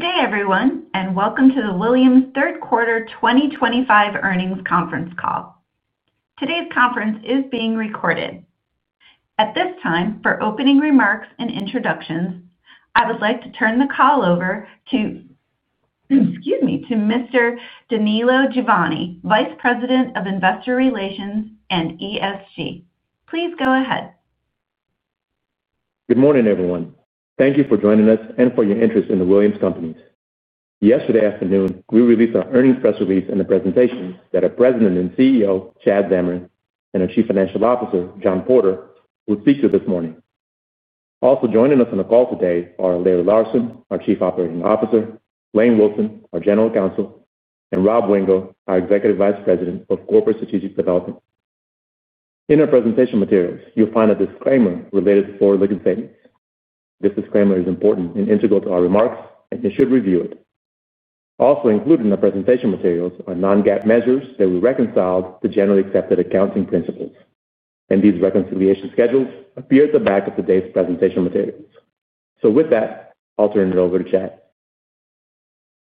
Good day, everyone, and welcome to the Williams Third Quarter 2025 earnings conference call. Today's conference is being recorded. At this time, for opening remarks and introductions, I would like to turn the call over to, Excuse me, to Mr. Danilo Juvane, Vice President of Investor Relations and ESG. Please go ahead. Good morning, everyone. Thank you for joining us and for your interest in the Williams Companies. Yesterday afternoon, we released our earnings press release and the presentation that our President and CEO, Chad Zamarin, and our Chief Financial Officer, John Porter, will speak to this morning. Also joining us on the call today are Larry Larsen, our Chief Operating Officer, Lane Wilson, our General Counsel, and Rob Wingo, our Executive Vice President of Corporate Strategic Development. In our presentation materials, you'll find a disclaimer related to forward-looking statements. This disclaimer is important and integral to our remarks, and you should review it. Also included in the presentation materials are non-GAAP measures that we reconciled to generally accepted accounting principles, and these reconciliation schedules appear at the back of today's presentation materials. So with that, I'll turn it over to Chad.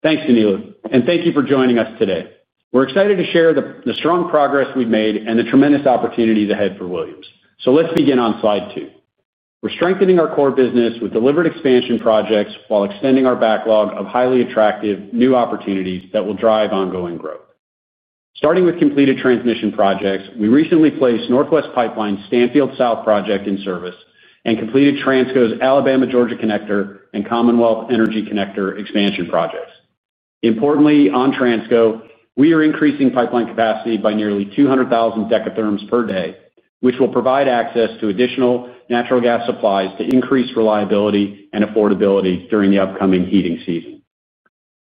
Thanks, Danilo, and thank you for joining us today. We're excited to share the strong progress we've made and the tremendous opportunities ahead for Williams. So let's begin on slide two. We're strengthening our core business with deliberate expansion projects while extending our backlog of highly attractive new opportunities that will drive ongoing growth. Starting with completed transmission projects, we recently placed Northwest Pipeline's Stanfield South project in service and completed Transco's Alabama-Georgia Connector and Commonwealth Energy Connector expansion projects. Importantly, on Transco, we are increasing pipeline capacity by nearly 200,000 Dth/d, which will provide access to additional natural gas supplies to increase reliability and affordability during the upcoming heating season.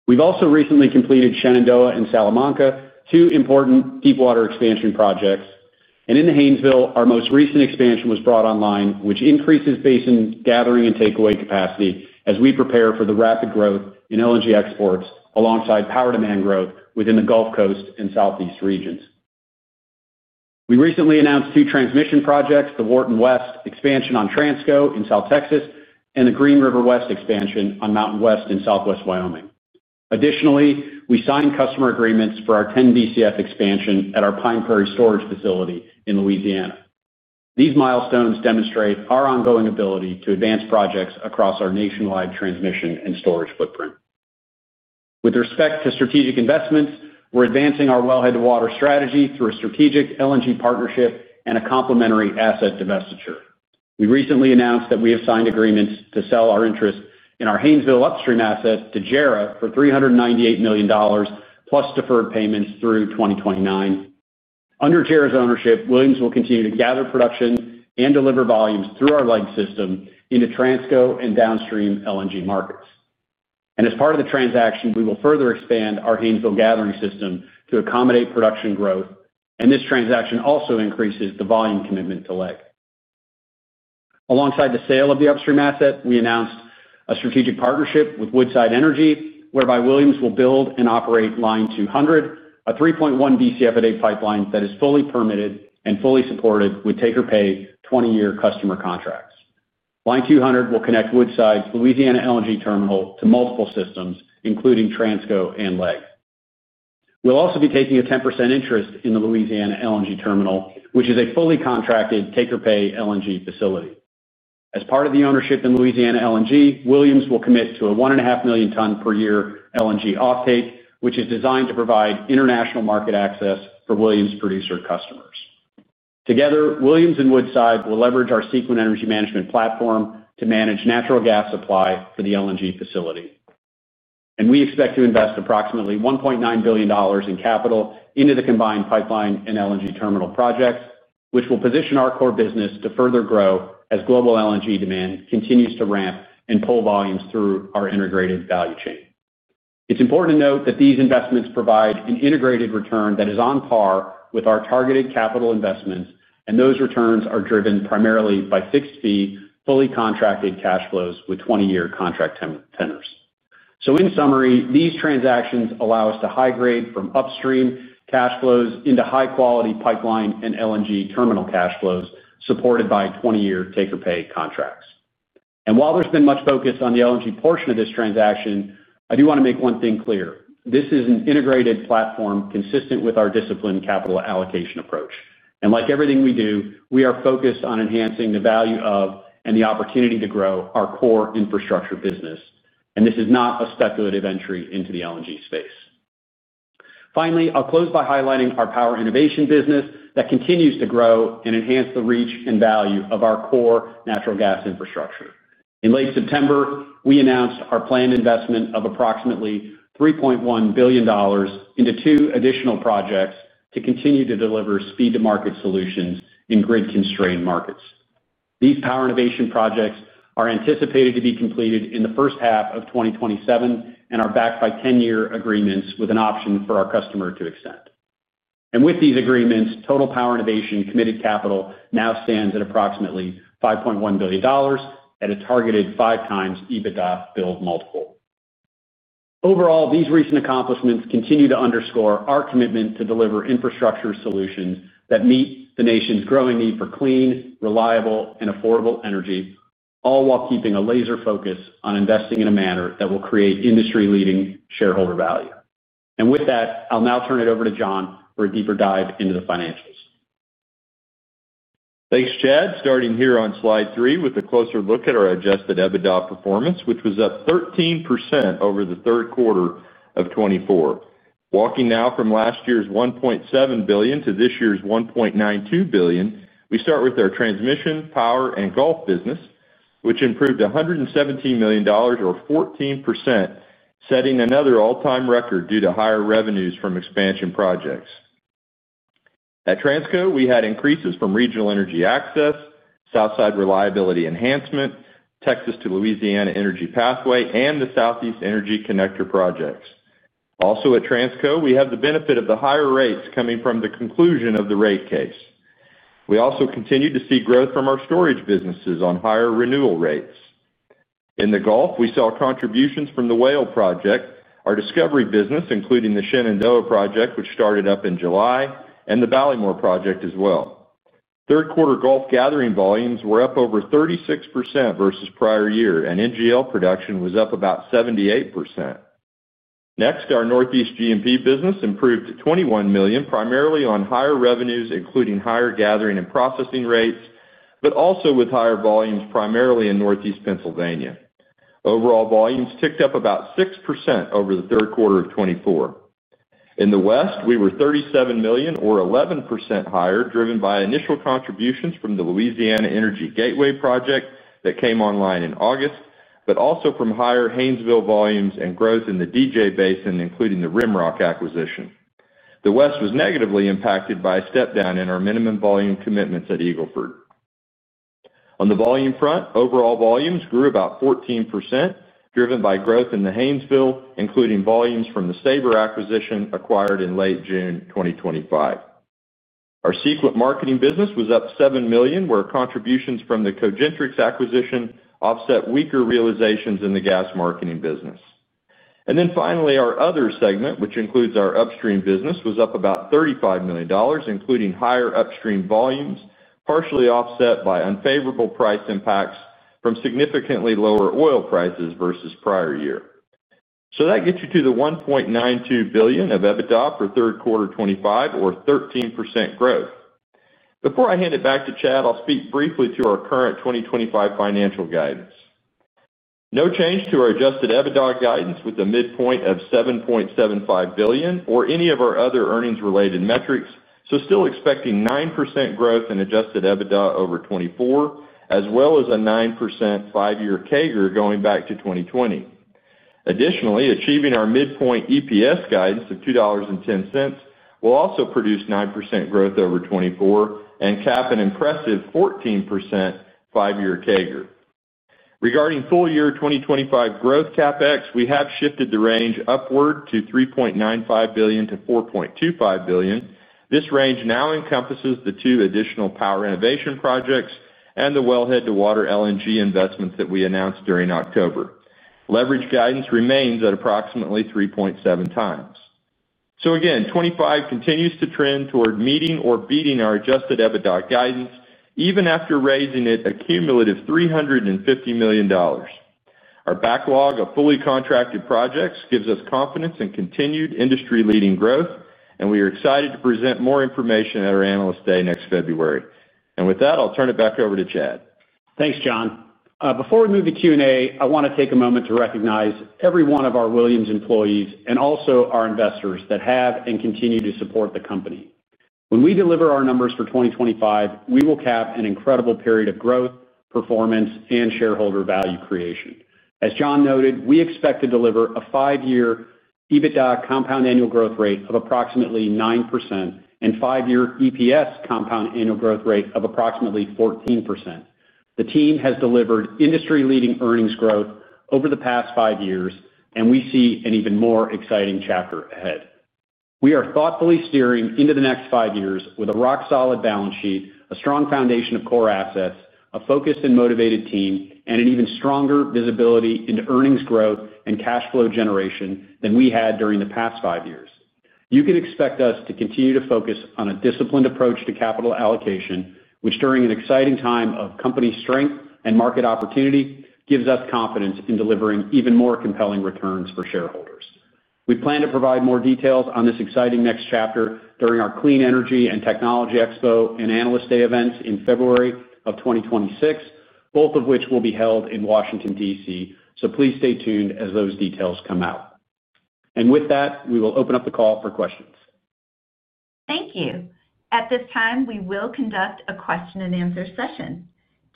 We've also recently completed Shenandoah and Salamanca, two important deep-water expansion projects. And in the Haynesville, our most recent expansion was brought online, which increases basin gathering and takeaway capacity as we prepare for the rapid growth in LNG exports alongside power demand growth within the Gulf Coast and Southeast regions. We recently announced two transmission projects: the Wharton West expansion on Transco in South Texas and the Green River West expansion on MountainWest in Southwest Wyoming. Additionally, we signed customer agreements for our 10 Bcf expansion at our Pine Prairie storage facility in Louisiana. These milestones demonstrate our ongoing ability to advance projects across our nationwide transmission and storage footprint. With respect to strategic investments, we're advancing our wellhead to water strategy through a strategic LNG partnership and a complementary asset divestiture. We recently announced that we have signed agreements to sell our interest in our Haynesville upstream asset to JERA for $398 million, plus deferred payments through 2029. Under JERA's ownership, Williams will continue to gather production and deliver volumes through our LEG system into Transco and downstream LNG markets. And as part of the transaction, we will further expand our Haynesville gathering system to accommodate production growth, and this transaction also increases the volume commitment to LEG. Alongside the sale of the upstream asset, we announced a strategic partnership with Woodside Energy, whereby Williams will build and operate Line 200, a 3.1 Bcfpd pipeline that is fully permitted and fully supported with take-or-pay 20-year customer contracts. Line 200 will connect Woodside's Louisiana LNG terminal to multiple systems, including Transco and LEG. We'll also be taking a 10% interest in the Louisiana LNG terminal, which is a fully contracted take-or-pay LNG facility. As part of the ownership in Louisiana LNG, Williams will commit to a 1.5 million ton per year LNG offtake, which is designed to provide international market access for Williams producer customers. Together, Williams and Woodside will leverage our Sequent energy management platform to manage natural gas supply for the LNG facility. And we expect to invest approximately $1.9 billion in capital into the combined pipeline and LNG terminal projects, which will position our core business to further grow as global LNG demand continues to ramp and pull volumes through our integrated value chain. It's important to note that these investments provide an integrated return that is on par with our targeted capital investments, and those returns are driven primarily by fixed-fee, fully contracted cash flows with 20-year contract tenors. So in summary, these transactions allow us to high-grade from upstream cash flows into high-quality pipeline and LNG terminal cash flows supported by 20-year take-or-pay contracts. And while there's been much focus on the LNG portion of this transaction, I do want to make one thing clear. This is an integrated platform consistent with our disciplined capital allocation approach. And like everything we do, we are focused on enhancing the value of and the opportunity to grow our core infrastructure business. And this is not a speculative entry into the LNG space. Finally, I'll close by highlighting our power innovation business that continues to grow and enhance the reach and value of our core natural gas infrastructure. In late September, we announced our planned investment of approximately $3.1 billion into two additional projects to continue to deliver speed-to-market solutions in grid-constrained markets. These power innovation projects are anticipated to be completed in the first half of 2027 and are backed by 10-year agreements with an option for our customer to extend. And with these agreements, total power innovation committed capital now stands at approximately $5.1 billion at a targeted 5x EBITDA build multiple. Overall, these recent accomplishments continue to underscore our commitment to deliver infrastructure solutions that meet the nation's growing need for clean, reliable, and affordable energy, all while keeping a laser focus on investing in a manner that will create industry-leading shareholder value. And with that, I'll now turn it over to John for a deeper dive into the financials. Thanks, Chad. Starting here on slide three with a closer look at our Adjusted EBITDA performance, which was up 13% over the third quarter of 2024. Walking now from last year's $1.7 billion to this year's $1.92 billion, we start with our transmission, power, and Gulf business, which improved $117 million, or 14%, setting another all-time record due to higher revenues from expansion projects. At Transco, we had increases from regional energy access, Southside reliability enhancement, Texas to Louisiana Energy Pathway, and the Southeast energy connector projects. Also at Transco, we have the benefit of the higher rates coming from the conclusion of the rate case. We also continue to see growth from our storage businesses on higher renewal rates. In the Gulf, we saw contributions from the Whale project, our discovery business, including the Shenandoah project, which started up in July, and the Ballymore project as well. Third quarter Gulf gathering volumes were up over 36% vs prior year, and NGL production was up about 78%. Next, our Northeast G&P business improved to $21 million, primarily on higher revenues, including higher gathering and processing rates, but also with higher volumes primarily in Northeast Pennsylvania. Overall volumes ticked up about 6% over the third quarter of 2024. In the West, we were $37 million, or 11% higher, driven by initial contributions from the Louisiana Energy Gateway project that came online in August, but also from higher Haynesville volumes and growth in the DJ Basin, including the Rimrock acquisition. The West was negatively impacted by a step down in our minimum volume commitments at Eagle Ford. On the volume front, overall volumes grew about 14%, driven by growth in the Haynesville, including volumes from the Sabre acquisition acquired in late June 2025. Our Sequent marketing business was up $7 million, where contributions from the Cogentrix acquisition offset weaker realizations in the gas marketing business. And then finally, our other segment, which includes our upstream business, was up about $35 million, including higher upstream volumes, partially offset by unfavorable price impacts from significantly lower oil prices vs prior year. So that gets you to the $1.92 billion of EBITDA for third quarter 2025, or 13% growth. Before I hand it back to Chad, I'll speak briefly to our current 2025 financial guidance. No change to our Adjusted EBITDA guidance with a midpoint of $7.75 billion or any of our other earnings-related metrics, so still expecting 9% growth in Adjusted EBITDA over 2024, as well as a 9% five-year CAGR going back to 2020. Additionally, achieving our midpoint EPS guidance of $2.10 will also produce 9% growth over 2024 and cap an impressive 14% five-year CAGR. Regarding full year 2025 growth CapEx, we have shifted the range upward to $3.95 billion-$4.25 billion. This range now encompasses the two additional power innovation projects and the wellhead to water LNG investments that we announced during October. Leverage guidance remains at approximately 3.7x. So again, 2025 continues to trend toward meeting or beating our Adjusted EBITDA guidance, even after raising it a cumulative $350 million. Our backlog of fully contracted projects gives us confidence in continued industry-leading growth, and we are excited to present more information at our Analyst Day next February. And with that, I'll turn it back over to Chad. Thanks, John. Before we move to Q&A, I want to take a moment to recognize every one of our Williams employees and also our investors that have and continue to support the company. When we deliver our numbers for 2025, we will cap an incredible period of growth, performance, and shareholder value creation. As John noted, we expect to deliver a five-year EBITDA compound annual growth rate of approximately 9% and five-year EPS compound annual growth rate of approximately 14%. The team has delivered industry-leading earnings growth over the past five years, and we see an even more exciting chapter ahead. We are thoughtfully steering into the next five years with a rock-solid balance sheet, a strong foundation of core assets, a focused and motivated team, and an even stronger visibility into earnings growth and cash flow generation than we had during the past five years. You can expect us to continue to focus on a disciplined approach to capital allocation, which during an exciting time of company strength and market opportunity gives us confidence in delivering even more compelling returns for shareholders. We plan to provide more details on this exciting next chapter during our Clean Energy and Technology Expo and Analyst Day events in February of 2026, both of which will be held in Washington, D.C. So please stay tuned as those details come out, and with that, we will open up the call for questions. Thank you. At this time, we will conduct a question-and-answer session.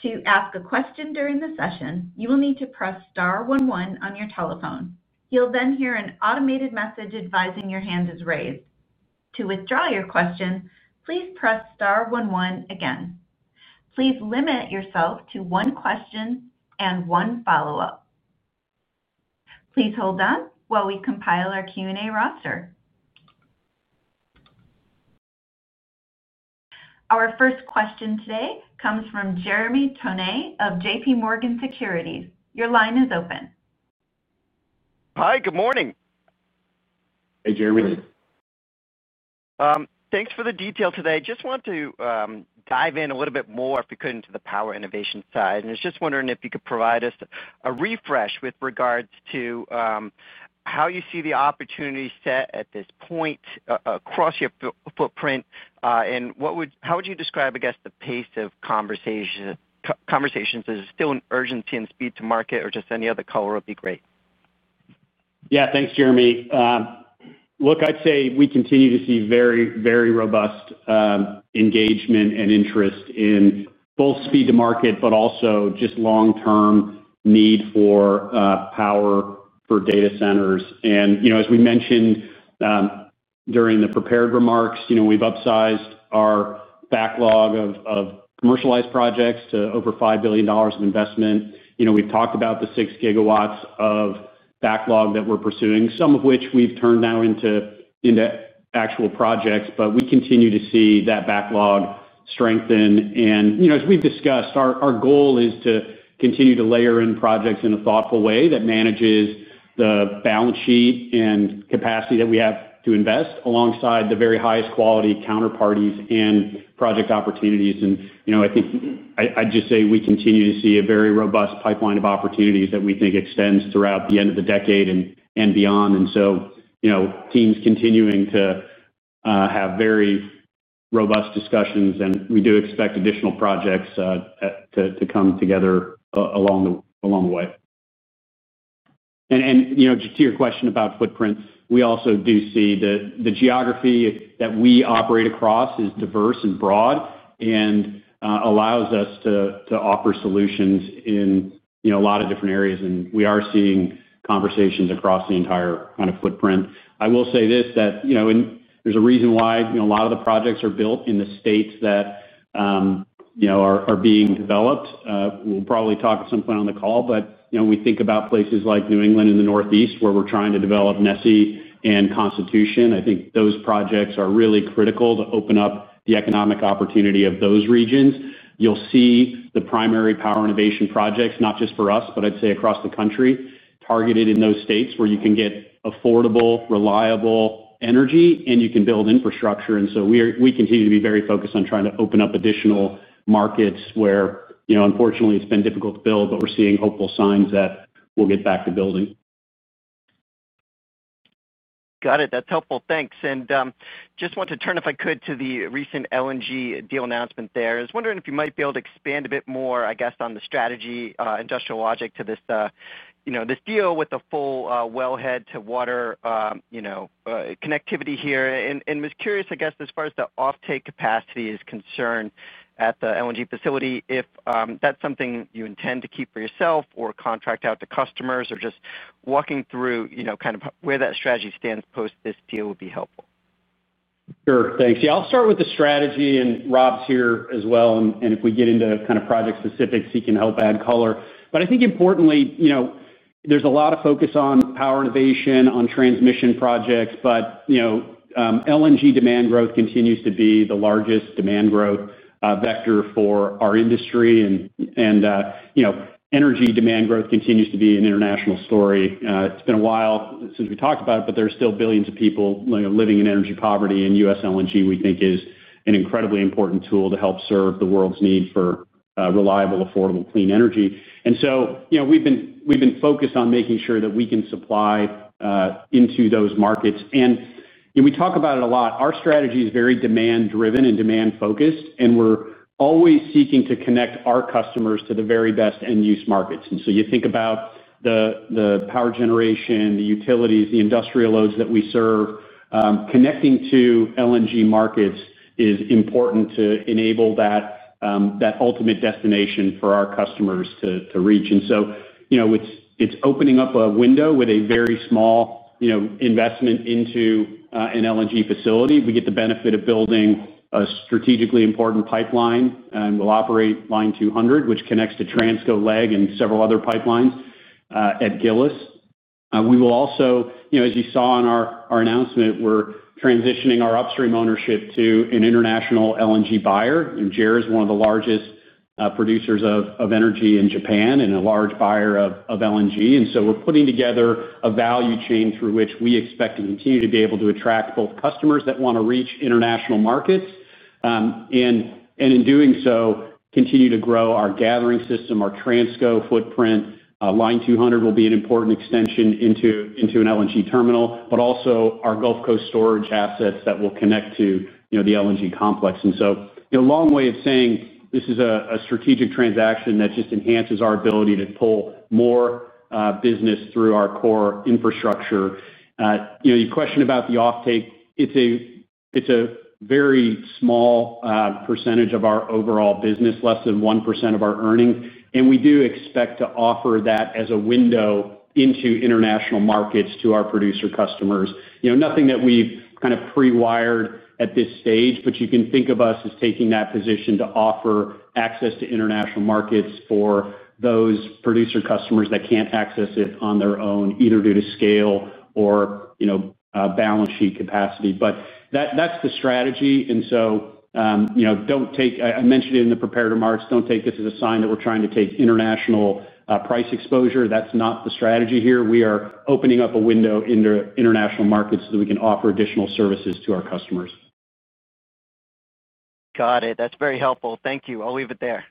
To ask a question during the session, you will need to press star one one on your telephone. You'll then hear an automated message advising your hand is raised. To withdraw your question, please press star one one again. Please limit yourself to one question and one follow-up. Please hold on while we compile our Q&A roster. Our first question today comes from Jeremy Tonet of JPMorgan Securities. Your line is open. Hi. Good morning. Hey, Jeremy. Thanks for the detail today. Just want to dive in a little bit more if we could into the power innovation side. And I was just wondering if you could provide us a refresh with regards to how you see the opportunity set at this point across your footprint, and how would you describe, I guess, the pace of conversations? Is it still an urgency and speed to market, or just any other color would be great? Yeah. Thanks, Jeremy. Look, I'd say we continue to see very, very robust engagement and interest in both speed to market, but also just long-term need for power for data centers. As we mentioned during the prepared remarks, we've upsized our backlog of commercialized projects to over $5 billion of investment. We've talked about the 6 GW of backlog that we're pursuing, some of which we've turned now into actual projects, but we continue to see that backlog strengthen. And as we've discussed, our goal is to continue to layer in projects in a thoughtful way that manages the balance sheet and capacity that we have to invest, alongside the very highest quality counterparties and project opportunities. And I think I'd just say we continue to see a very robust pipeline of opportunities that we think extends throughout the end of the decade and beyond. And so teams continuing to have very robust discussions, and we do expect additional projects to come together along the way. And just to your question about footprint, we also do see the geography that we operate across is diverse and broad and allows us to offer solutions in a lot of different areas. And we are seeing conversations across the entire kind of footprint. I will say this: there's a reason why a lot of the projects are built in the states that are being developed. We'll probably talk at some point on the call, but we think about places like New England in the Northeast where we're trying to develop NESI and Constitution. I think those projects are really critical to open up the economic opportunity of those regions. You'll see the primary power innovation projects, not just for us, but I'd say across the country, targeted in those states where you can get affordable, reliable energy, and you can build infrastructure. And so we continue to be very focused on trying to open up additional markets where, unfortunately, it's been difficult to build, but we're seeing hopeful signs that we'll get back to building. Got it. That's helpful. Thanks. And just want to turn, if I could, to the recent LNG deal announcement there. I was wondering if you might be able to expand a bit more, I guess, on the strategy industrial logic to this. Deal with the full wellhead to water. Connectivity here. And was curious, I guess, as far as the offtake capacity is concerned at the LNG facility, if that's something you intend to keep for yourself or contract out to customers, or just walking through kind of where that strategy stands post this deal would be helpful. Sure. Thanks. Yeah, I'll start with the strategy, and Rob's here as well. And if we get into kind of project specifics, he can help add color. But I think, importantly, there's a lot of focus on power innovation, on transmission projects, but LNG demand growth continues to be the largest demand growth vector for our industry. Energy demand growth continues to be an international story. It's been a while since we talked about it, but there are still billions of people living in energy poverty, and US LNG, we think, is an incredibly important tool to help serve the world's need for reliable, affordable, clean energy. And so we've been focused on making sure that we can supply into those markets. And we talk about it a lot. Our strategy is very demand-driven and demand-focused, and we're always seeking to connect our customers to the very best end-use markets. And so you think about the power generation, the utilities, the industrial loads that we serve. Connecting to LNG markets is important to enable that ultimate destination for our customers to reach. And so it's opening up a window with a very small investment into an LNG facility. We get the benefit of building a strategically important pipeline, and we'll operate Line 200, which connects to Transco, LEG, and several other pipelines at Gillis. We will also, as you saw in our announcement, transition our upstream ownership to an international LNG buyer. And JERA is one of the largest producers of energy in Japan and a large buyer of LNG. And so we're putting together a value chain through which we expect to continue to be able to attract both customers that want to reach international markets. And in doing so, continue to grow our gathering system, our Transco footprint. Line 200 will be an important extension into an LNG terminal, but also our Gulf Coast storage assets that will connect to the LNG complex. And so a long way of saying this is a strategic transaction that just enhances our ability to pull more business through our core infrastructure. Your question about the offtake, it's a very small percentage of our overall business, less than 1% of our earnings. And we do expect to offer that as a window into international markets to our producer customers. Nothing that we've kind of pre-wired at this stage, but you can think of us as taking that position to offer access to international markets for those producer customers that can't access it on their own, either due to scale or balance sheet capacity. But that's the strategy. And so I mentioned it in the prepared remarks. Don't take this as a sign that we're trying to take international price exposure. That's not the strategy here. We are opening up a window into international markets so that we can offer additional services to our customers. Got it. That's very helpful. Thank you. I'll leave it there.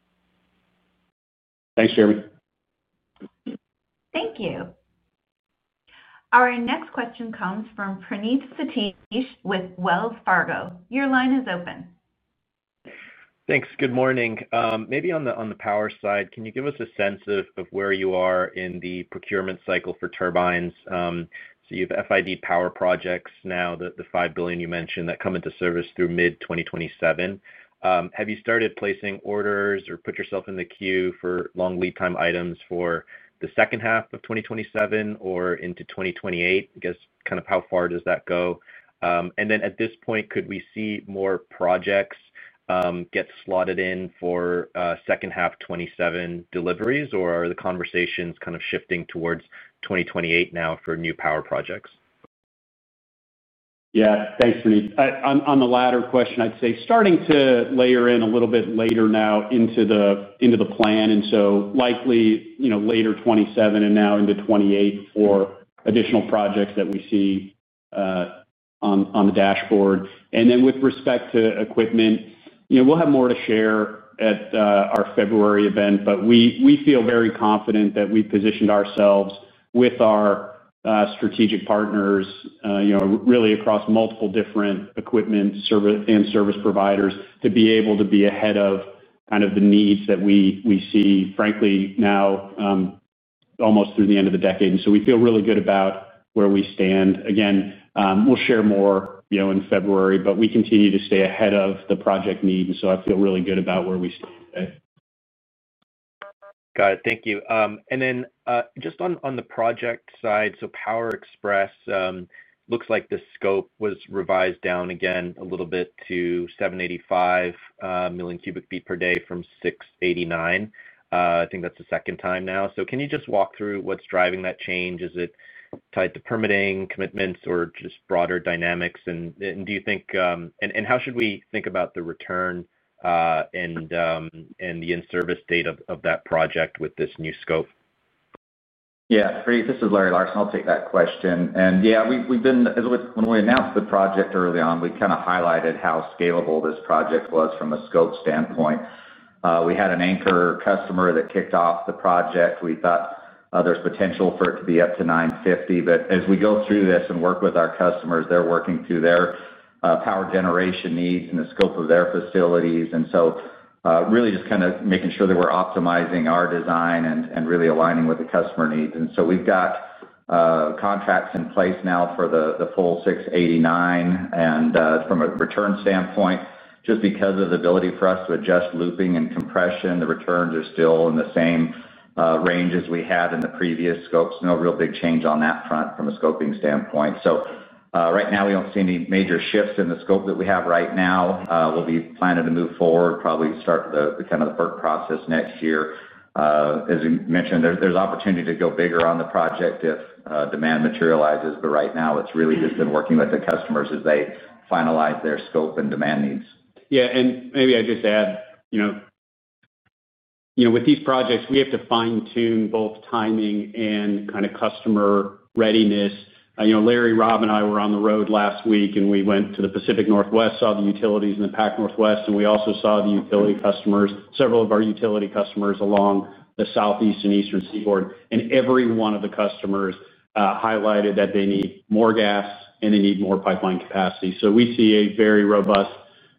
Thanks, Jeremy. Thank you. Our next question comes from Praneeth Satish with Wells Fargo. Your line is open. Thanks. Good morning. Maybe on the power side, can you give us a sense of where you are in the procurement cycle for turbines? So you have FID power projects now, the $5 billion you mentioned, that come into service through mid-2027. Have you started placing orders or put yourself in the queue for long lead time items for the second half of 2027 or into 2028? I guess kind of how far does that go? And then at this point, could we see more projects get slotted in for second half 2027 deliveries, or are the conversations kind of shifting towards 2028 now for new power projects? Yeah. Thanks, Praneeth. On the latter question, I'd say starting to layer in a little bit later now into the plan. And so likely later 2027 and now into 2028 for additional projects that we see on the dashboard. And then with respect to equipment, we'll have more to share at our February event, but we feel very confident that we've positioned ourselves with our strategic partners really across multiple different equipment and service providers to be able to be ahead of kind of the needs that we see, frankly, now almost through the end of the decade. And so we feel really good about where we stand. Again, we'll share more in February, but we continue to stay ahead of the project need. And so I feel really good about where we stand today. Got it. Thank you. And then just on the project side, so Power Express. Looks like the scope was revised down again a little bit to 689 million cu ft/day from 785. I think that's the second time now. So can you just walk through what's driving that change? Is it tied to permitting commitments or just broader dynamics? And do you think, and how should we think about the return? And the in-service date of that project with this new scope? Yeah. This is Larry Larsen. I'll take that question. And yeah, as we announced the project early on, we kind of highlighted how scalable this project was from a scope standpoint. We had an anchor customer that kicked off the project. We thought there's potential for it to be up to 950. But as we go through this and work with our customers, they're working through their power generation needs and the scope of their facilities. And so really just kind of making sure that we're optimizing our design and really aligning with the customer needs. And so we've got contracts in place now for the full 689. And from a return standpoint, just because of the ability for us to adjust looping and compression, the returns are still in the same range as we had in the previous scopes. No real big change on that front from a scoping standpoint. So right now, we don't see any major shifts in the scope that we have right now. We'll be planning to move forward, probably start the kind of the FERC process next year. As you mentioned, there's opportunity to go bigger on the project if demand materializes. But right now, it's really just been working with the customers as they finalize their scope and demand needs. Yeah. And maybe I just add. With these projects, we have to fine-tune both timing and kind of customer readiness. Larry, Rob, and I were on the road last week, and we went to the Pacific Northwest, saw the utilities in the PAC Northwest, and we also saw the utility customers, several of our utility customers along the southeast and eastern seaboard. And every one of the customers highlighted that they need more gas and they need more pipeline capacity. So we see a very robust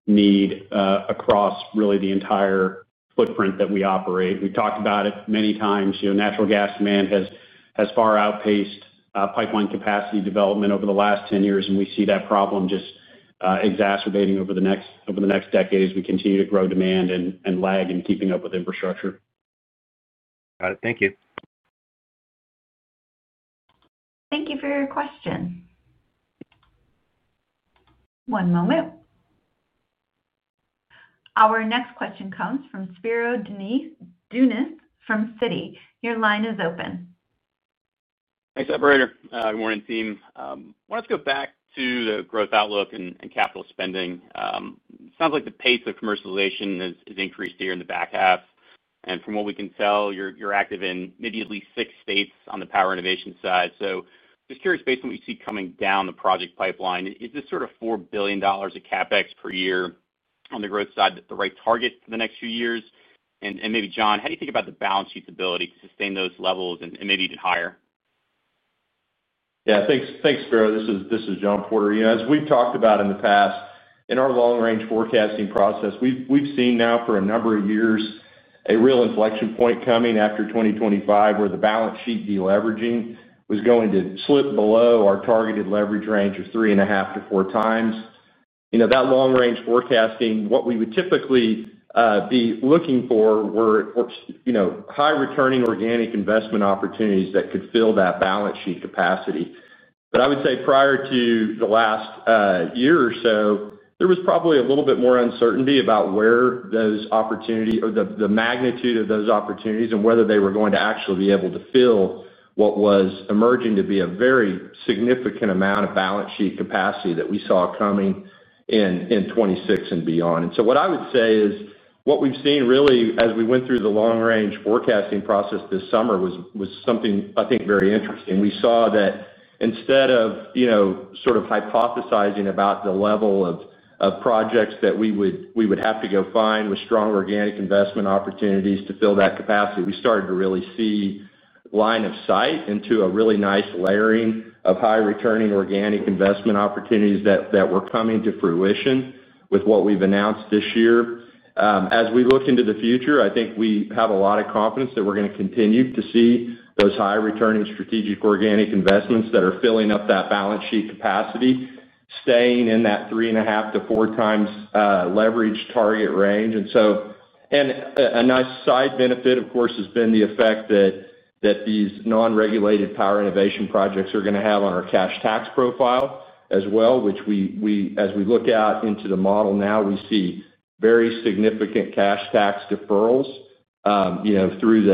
need across really the entire footprint that we operate. We've talked about it many times. Natural gas demand has far outpaced pipeline capacity development over the last 10 years, and we see that problem just exacerbating over the next decade as we continue to grow demand and lag in keeping up with infrastructure. Got it. Thank you. Thank you for your question. One moment. Our next question comes from Spiro Dounis from Citi. Your line is open. Thanks, Operator. Good morning, team. I want to go back to the growth outlook and capital spending. It sounds like the pace of commercialization has increased here in the back half. And from what we can tell, you're active in maybe at least six states on the power innovation side. So just curious, based on what you see coming down the project pipeline, is this sort of $4 billion of CapEx per year on the growth side, the right target for the next few years? And maybe, John, how do you think about the balance sheet's ability to sustain those levels and maybe even higher? Yeah. Thanks, Spiro. This is John Porter. As we've talked about in the past, in our long-range forecasting process, we've seen now for a number of years a real inflection point coming after 2025 where the balance sheet deleveraging was going to slip below our targeted leverage range of three and a half to four times. That long-range forecasting, what we would typically be looking for were high-returning organic investment opportunities that could fill that balance sheet capacity. But I would say prior to the last year or so, there was probably a little bit more uncertainty about where those opportunities or the magnitude of those opportunities and whether they were going to actually be able to fill what was emerging to be a very significant amount of balance sheet capacity that we saw coming in 2026 and beyond. And so what I would say is what we've seen really as we went through the long-range forecasting process this summer was something, I think, very interesting. We saw that instead of sort of hypothesizing about the level of projects that we would have to go find with strong organic investment opportunities to fill that capacity, we started to really see line of sight into a really nice layering of high-returning organic investment opportunities that were coming to fruition with what we've announced this year. As we look into the future, I think we have a lot of confidence that we're going to continue to see those high-returning strategic organic investments that are filling up that balance sheet capacity, staying in that three and a half to 4x leverage target range. And so a nice side benefit, of course, has been the effect that these non-regulated power innovation projects are going to have on our cash tax profile as well, which as we look out into the model now, we see very significant cash tax deferrals kind of through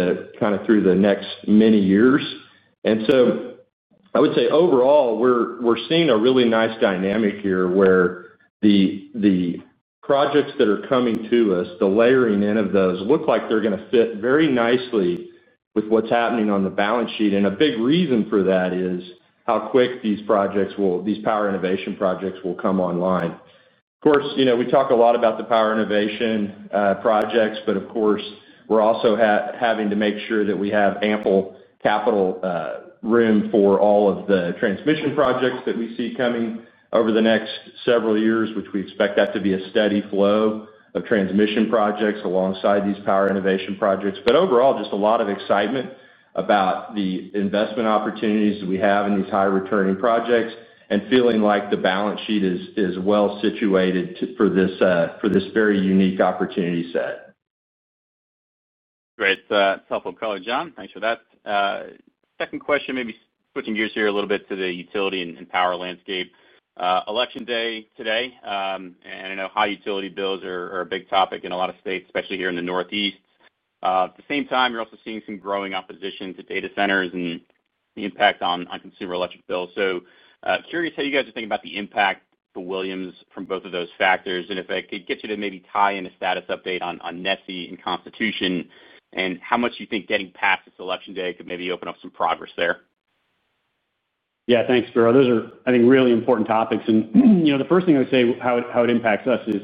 the next many years. I would say overall, we're seeing a really nice dynamic here where the projects that are coming to us, the layering in of those look like they're going to fit very nicely with what's happening on the balance sheet. And a big reason for that is how quick these power innovation projects will come online. Of course, we talk a lot about the power innovation projects, but of course, we're also having to make sure that we have ample capital room for all of the transmission projects that we see coming over the next several years, which we expect that to be a steady flow of transmission projects alongside these power innovation projects. But overall, just a lot of excitement about the investment opportunities that we have in these high-returning projects and feeling like the balance sheet is well situated for this very unique opportunity set. Great. That's helpful. John, thanks for that. Second question, maybe switching gears here a little bit to the utility and power landscape. Election day today. And I know high utility bills are a big topic in a lot of states, especially here in the Northeast. At the same time, you're also seeing some growing opposition to data centers and the impact on consumer electric bills. So curious how you guys are thinking about the impact for Williams from both of those factors. And if I could get you to maybe tie in a status update on NESI and Constitution and how much you think getting past this election day could maybe open up some progress there. Yeah. Thanks, Spiro. Those are, I think, really important topics. And the first thing I would say, how it impacts us, is.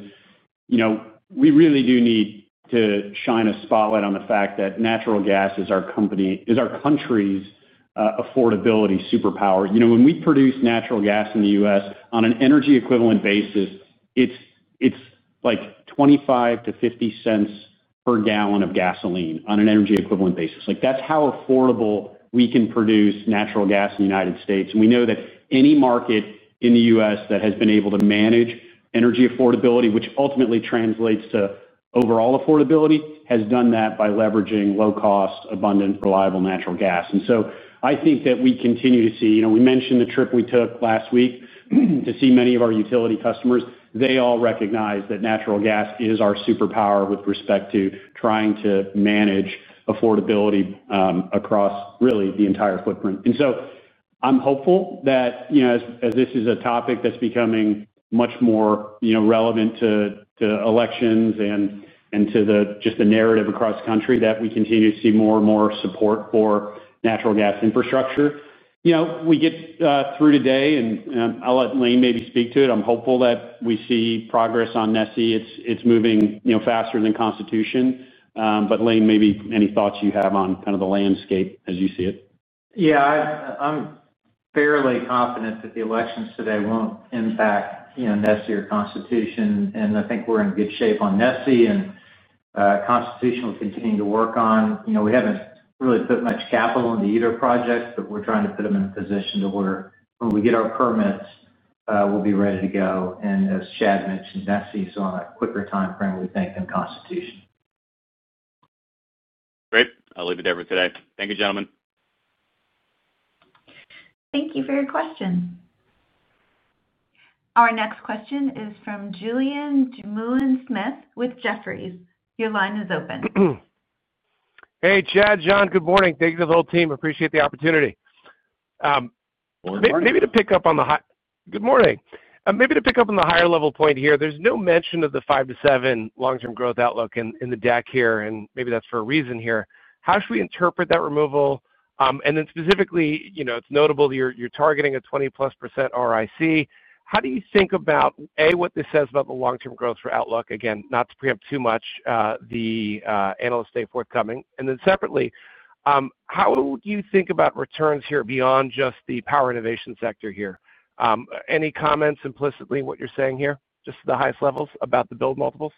We really do need to shine a spotlight on the fact that natural gas is our country's affordability superpower. When we produce natural gas in the U.S. on an energy equivalent basis, it's like $.25-%$.50/gallon of gasoline on an energy equivalent basis. That's how affordable we can produce natural gas in the United States. And we know that any market in the U.S. that has been able to manage energy affordability, which ultimately translates to overall affordability, has done that by leveraging low-cost, abundant, reliable natural gas. And so I think that we continue to see we mentioned the trip we took last week to see many of our utility customers. They all recognize that natural gas is our superpower with respect to trying to manage affordability across really the entire footprint. And so I'm hopeful that as this is a topic that's becoming much more relevant to elections and to just the narrative across the country that we continue to see more and more support for natural gas infrastructure. We get through today, and I'll let Lane maybe speak to it. I'm hopeful that we see progress on NESI. It's moving faster than Constitution. But Lane, maybe any thoughts you have on kind of the landscape as you see it? Yeah. I'm fairly confident that the elections today won't impact NESI or Constitution. And I think we're in good shape on NESI and Constitution, continuing to work on. We haven't really put much capital into either project, but we're trying to put them in a position to where when we get our permits, we'll be ready to go. And as Chad mentioned, NESI is on a quicker time frame we think than Constitution. Great. I'll leave it there for today. Thank you, gentlemen. Thank you for your questions. Our next question is from Julian Dumoulin-Smith with Jefferies. Your line is open. Hey, Chad, John, good morning. Thank you to the whole team. Appreciate the opportunity. Maybe to pick up on the, good morning. Maybe to pick up on the higher-level point here. There's no mention of the five to seven long-term growth outlook in the deck here, and maybe that's for a reason here. How should we interpret that removal? And then specifically, it's notable that you're targeting a 20%+ ROIC. How do you think about, A, what this says about the long-term growth for outlook? Again, not to preempt too much, the Analyst Day is forthcoming. And then separately. How do you think about returns here beyond just the power innovation sector here? Any comments implicitly in what you're saying here, just to the highest levels about the build multiples?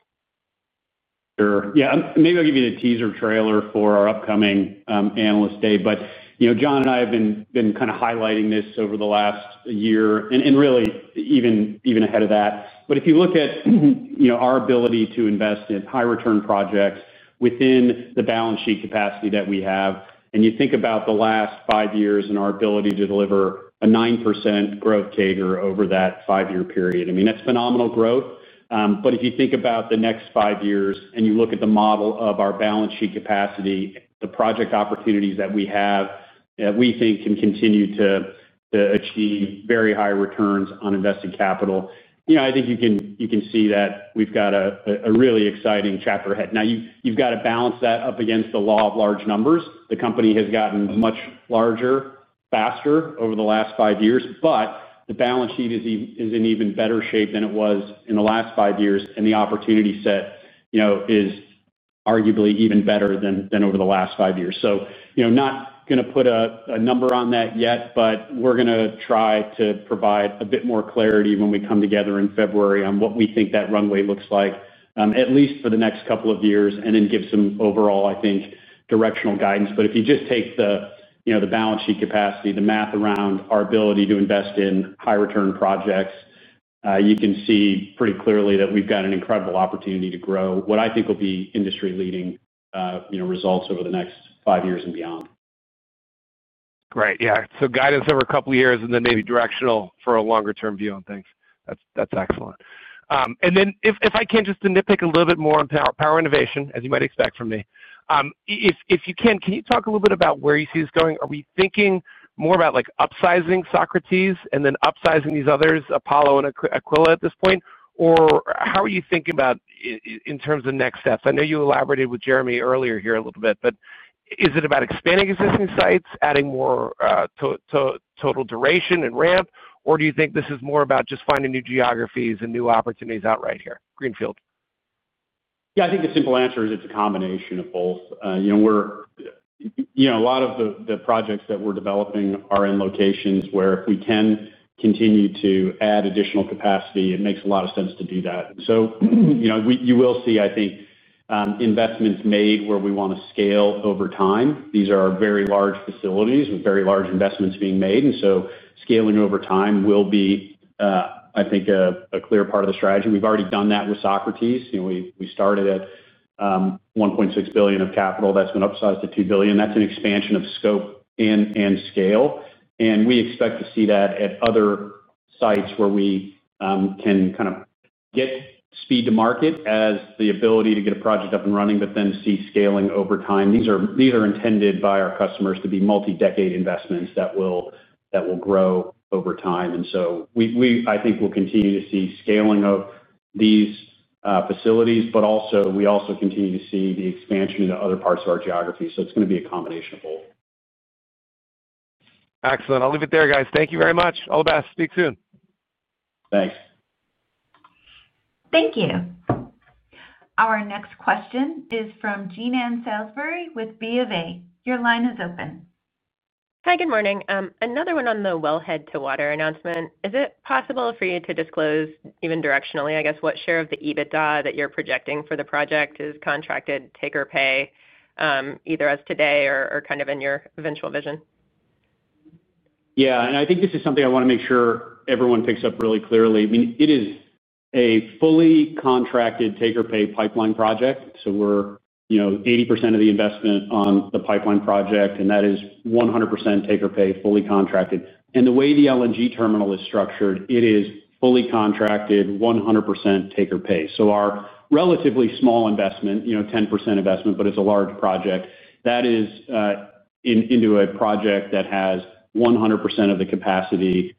Sure. Yeah. Maybe I'll give you the teaser trailer for our upcoming analyst day, but John and I have been kind of highlighting this over the last year and really even ahead of that. But if you look at our ability to invest in high-return projects within the balance sheet capacity that we have, and you think about the last five years and our ability to deliver a 9% growth CAGR over that five-year period, I mean, that's phenomenal growth. But if you think about the next five years and you look at the model of our balance sheet capacity, the project opportunities that we have that we think can continue to achieve very high returns on invested capital, I think you can see that we've got a really exciting chapter ahead. Now, you've got to balance that up against the law of large numbers. The company has gotten much larger, faster over the last five years, but the balance sheet is in even better shape than it was in the last five years, and the opportunity set is arguably even better than over the last five years. So not going to put a number on that yet, but we're going to try to provide a bit more clarity when we come together in February on what we think that runway looks like, at least for the next couple of years, and then give some overall, I think, directional guidance. But if you just take the balance sheet capacity, the math around our ability to invest in high-return projects, you can see pretty clearly that we've got an incredible opportunity to grow what I think will be industry-leading results over the next five years and beyond. Great. Yeah. So guidance over a couple of years and then maybe directional for a longer-term view on things. That's excellent. And then if I can just nitpick a little bit more on power innovation, as you might expect from me. If you can, can you talk a little bit about where you see this going? Are we thinking more about upsizing Socrates and then upsizing these others, Apollo and Aquila at this point? Or how are you thinking about in terms of next steps? I know you elaborated with Jeremy earlier here a little bit, but is it about expanding existing sites, adding more to total duration and ramp, or do you think this is more about just finding new geographies and new opportunities outright here, greenfield? Yeah. I think the simple answer is it's a combination of both. A lot of the projects that we're developing are in locations where if we can continue to add additional capacity, it makes a lot of sense to do that. So. You will see, I think, investments made where we want to scale over time. These are very large facilities with very large investments being made. And so scaling over time will be, I think, a clear part of the strategy. We've already done that with Socrates. We started at $1.6 billion of capital. That's been upsized to $2 billion. That's an expansion of scope and scale. And we expect to see that at other sites where we can kind of get speed to market. As the ability to get a project up and running, but then see scaling over time. These are intended by our customers to be multi-decade investments that will grow over time. And so I think we'll continue to see scaling of these facilities, but we also continue to see the expansion into other parts of our geography. So it's going to be a combination of both. Excellent. I'll leave it there, guys. Thank you very much. All the best. Speak soon. Thanks. Thank you. Our next question is from Jean Ann Salisbury with BofA. Your line is open. Hi, good morning. Another one on the wellhead to water announcement. Is it possible for you to disclose even directionally, I guess, what share of the EBITDA that you're projecting for the project is contracted take or pay. Either as today or kind of in your eventual vision? Yeah. And I think this is something I want to make sure everyone picks up really clearly. I mean, it is a fully contracted take-or-pay pipeline project. So we're 80% of the investment on the pipeline project, and that is 100% take-or-pay, fully contracted. And the way the LNG terminal is structured, it is fully contracted 100% take-or-pay. So our relatively small investment, 10% investment, but it's a large project, that is into a project that has 100% of the capacity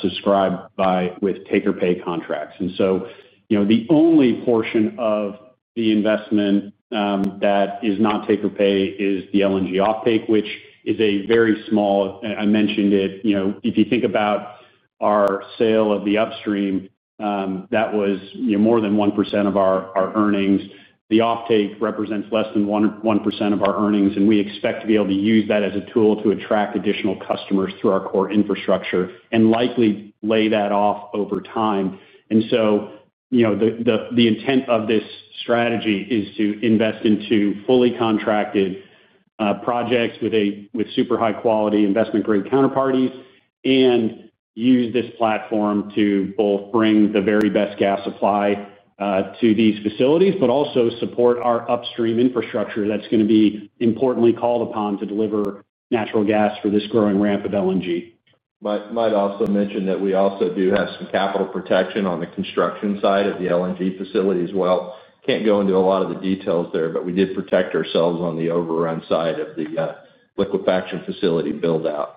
subscribed by with take-or-pay contracts. And so the only portion of the investment that is not take-or-pay is the LNG offtake, which is a very small—I mentioned it. If you think about our sale of the upstream, that was more than 1% of our earnings. The offtake represents less than 1% of our earnings, and we expect to be able to use that as a tool to attract additional customers through our core infrastructure and likely lay that off over time. And so the intent of this strategy is to invest into fully contracted projects with super high-quality investment-grade counterparties and use this platform to both bring the very best gas supply to these facilities, but also support our upstream infrastructure that's going to be importantly called upon to deliver natural gas for this growing ramp of LNG. Might also mention that we also do have some capital protection on the construction side of the LNG facility as well. Can't go into a lot of the details there, but we did protect ourselves on the overrun side of the liquefaction facility buildout.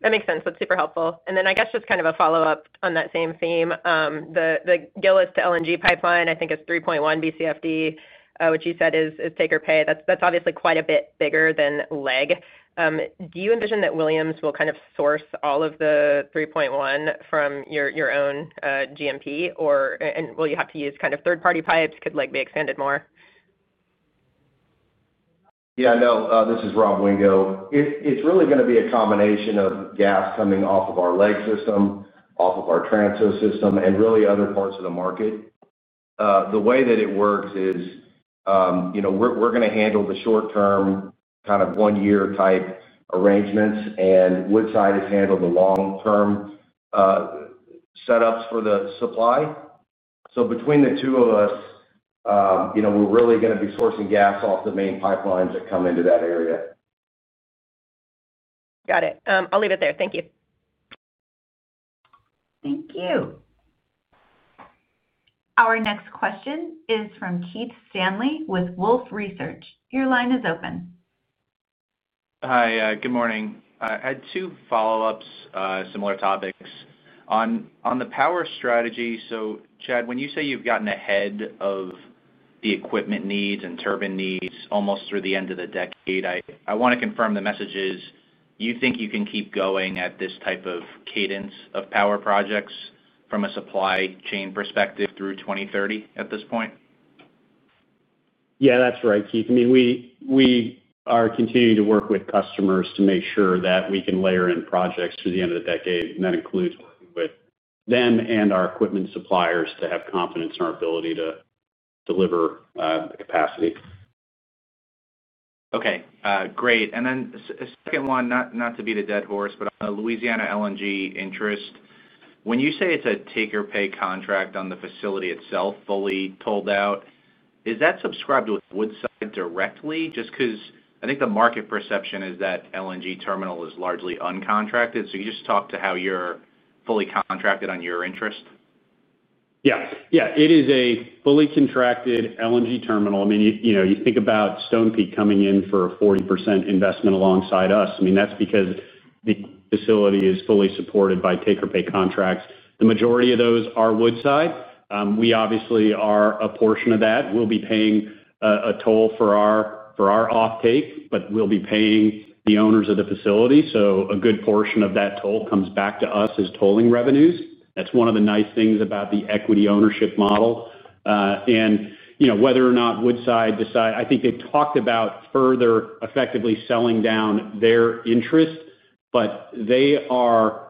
That makes sense. That's super helpful. And then I guess just kind of a follow-up on that same theme. The Gillis to LNG pipeline, I think, is 3.1 Bcfpd, which you said is take-or-pay. That's obviously quite a bit bigger than LEG. Do you envision that Williams will kind of source all of the 3.1 from your own G&P, or will you have to use kind of third-party pipes? Could LEG be expanded more? Yeah. No, this is Rob Wingo. It's really going to be a combination of gas coming off of our LEG system, off of our Transco system, and really other parts of the market. The way that it works is we're going to handle the short-term kind of one-year type arrangements, and Woodside has handled the long-term setups for the supply. So between the two of us we're really going to be sourcing gas off the main pipelines that come into that area. Got it. I'll leave it there. Thank you. Thank you. Our next question is from Keith Stanley with Wolfe Research. Your line is open. Hi. Good morning. I had two follow-ups, similar topics. On the power strategy, so Chad, when you say you've gotten ahead of the equipment needs and turbine needs almost through the end of the decade, I want to confirm the message is you think you can keep going at this type of cadence of power projects from a supply chain perspective through 2030 at this point? Yeah, that's right, Keith. I mean, we are continuing to work with customers to make sure that we can layer in projects through the end of the decade, and that includes working with them and our equipment suppliers to have confidence in our ability to deliver the capacity. Okay. Great. And then a second one, not to beat a dead horse, but on the Louisiana LNG interest, when you say it's a take-or-pay contract on the facility itself, fully tolled out, is that subscribed with Woodside directly? Just because I think the market perception is that LNG terminal is largely uncontracted. So you just talk to how you're fully contracted on your interest? Yes. Yeah. It is a fully contracted LNG terminal. I mean, you think about Stonepeak coming in for a 40% investment alongside us. I mean, that's because the facility is fully supported by take or pay contracts. The majority of those are Woodside. We obviously are a portion of that. We'll be paying a toll for our offtake, but we'll be paying the owners of the facility. So a good portion of that toll comes back to us as tolling revenues. That's one of the nice things about the equity ownership model. And whether or not Woodside decides, I think they've talked about further effectively selling down their interest, but they are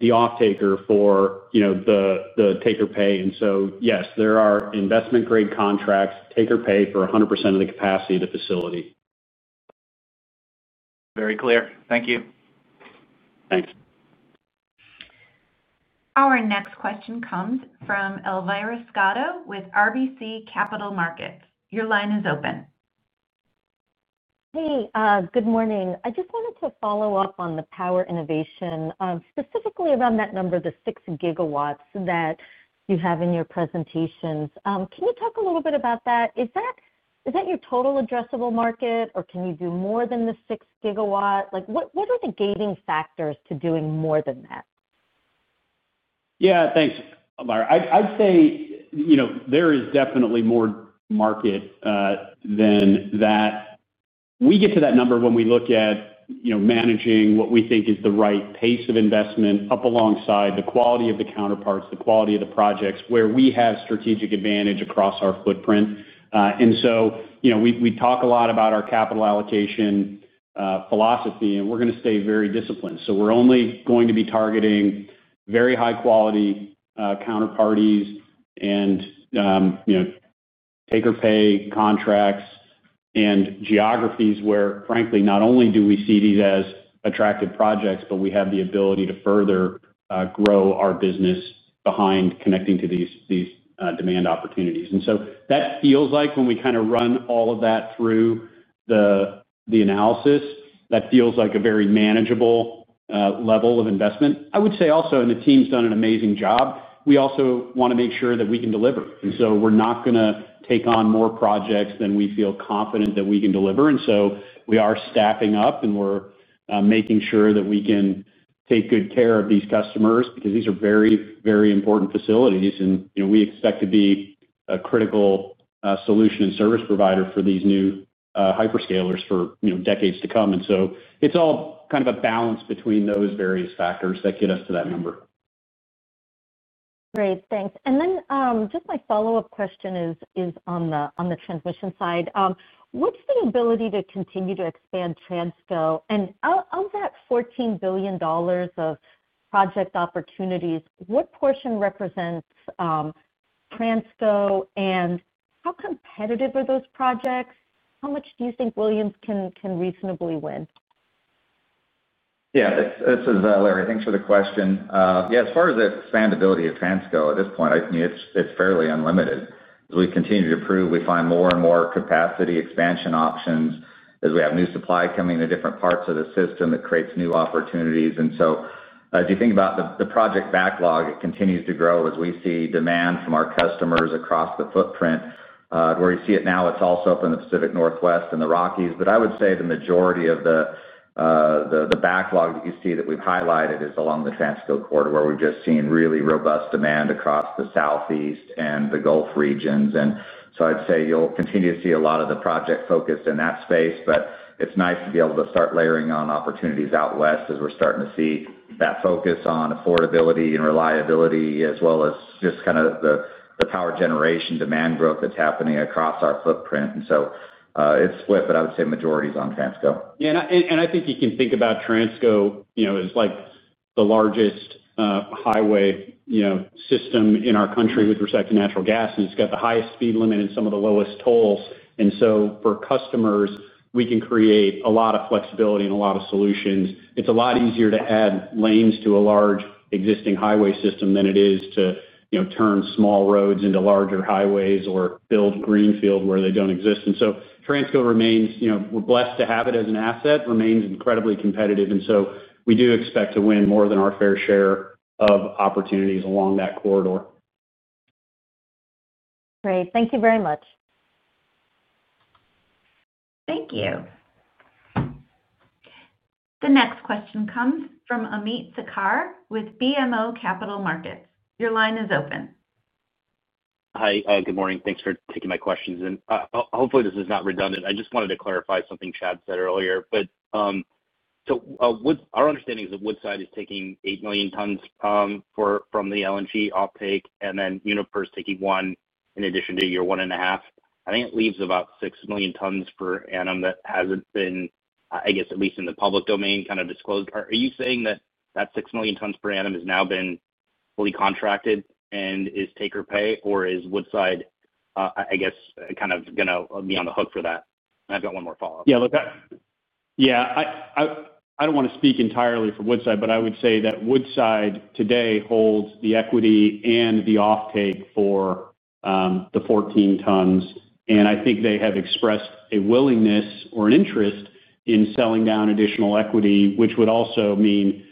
the offtaker for the take or pay. And so yes, there are investment-grade contracts, take or pay for 100% of the capacity of the facility. Very clear. Thank you. Thanks. Our next question comes from Elvira Scotto with RBC Capital Markets. Your line is open. Hey, good morning. I just wanted to follow up on the power innovation, specifically around that number, the six gigawatts that you have in your presentations. Can you talk a little bit about that? Is that your total addressable market, or can you do more than the 6 GW? What are the gating factors to doing more than that? Yeah. Thanks, Elvira. I'd say there is definitely more market than that. We get to that number when we look at managing what we think is the right pace of investment up alongside the quality of the counterparties, the quality of the projects where we have strategic advantage across our footprint. And so we talk a lot about our capital allocation philosophy, and we're going to stay very disciplined. So we're only going to be targeting very high-quality counterparties and take-or-pay contracts and geographies where, frankly, not only do we see these as attractive projects, but we have the ability to further grow our business behind connecting to these demand opportunities. And so that feels like when we kind of run all of that through the analysis, that feels like a very manageable level of investment. I would say also, the team's done an amazing job. We also want to make sure that we can deliver. And so we're not going to take on more projects than we feel confident that we can deliver. And so we are staffing up, and we're making sure that we can take good care of these customers because these are very, very important facilities. And we expect to be a critical solution and service provider for these new hyperscalers for decades to come. And so it's all kind of a balance between those various factors that get us to that number. Great. Thanks. And then just my follow-up question is on the transmission side. What's the ability to continue to expand Transco? And of that $14 billion of project opportunities, what portion represents Transco? And how competitive are those projects? How much do you think Williams can reasonably win? Yeah. This is Larry. Thanks for the question. Yeah. As far as the expandability of Transco, at this point, it's fairly unlimited. As we continue to improve, we find more and more capacity expansion options as we have new supply coming to different parts of the system that creates new opportunities. And so as you think about the project backlog, it continues to grow as we see demand from our customers across the footprint. Where you see it now, it's also up in the Pacific Northwest and the Rockies. But I would say the majority of the backlog that you see that we've highlighted is along the Transco Corridor, where we've just seen really robust demand across the southeast and the Gulf regions. And so I'd say you'll continue to see a lot of the project focused in that space. But it's nice to be able to start layering on opportunities out west as we're starting to see that focus on affordability and reliability, as well as just kind of the power generation demand growth that's happening across our footprint. And so it's split, but I would say majority is on Transco. Yeah. And I think you can think about Transco as the largest highway system in our country with respect to natural gas. And it's got the highest speed limit and some of the lowest tolls. And so for customers, we can create a lot of flexibility and a lot of solutions. It's a lot easier to add lanes to a large existing highway system than it is to turn small roads into larger highways or build greenfield where they don't exist. And so Transco remains (we're blessed to have it as an asset) remains incredibly competitive. And so we do expect to win more than our fair share of opportunities along that corridor. Great. Thank you very much. Thank you. The next question comes from Amit Sarkar with BMO Capital Markets. Your line is open. Hi. Good morning. Thanks for taking my questions. And hopefully, this is not redundant. I just wanted to clarify something Chad said earlier. So. Our understanding is that Woodside is taking 8 million tons from the LNG offtake, and then Uniper's taking one in addition to your 1.5. I think it leaves about 6 million tons/annum that hasn't been, I guess, at least in the public domain, kind of disclosed. Are you saying that that 6 million tons/annum has now been fully contracted and is take-or-pay, or is Woodside, I guess, kind of going to be on the hook for that? I've got one more follow-up. Yeah. Yeah. I don't want to speak entirely for Woodside, but I would say that Woodside today holds the equity and the offtake for the 14 million tons/annum. And I think they have expressed a willingness or an interest in selling down additional equity, which would also mean